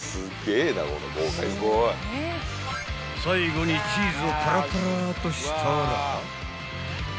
［最後にチーズをパラパラーっとしたら］